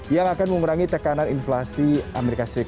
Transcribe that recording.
yang akan mengurangi tekanan inflasi as